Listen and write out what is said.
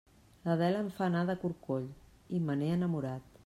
L'Adela em fa anar de corcoll i me n'he enamorat.